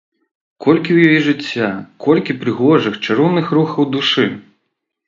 Колькі ў ёй жыцця, колькі прыгожых, чароўных рухаў душы!